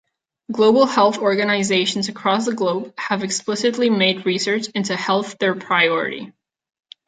Global health organisations across the globe have explicitly made research into health their priority.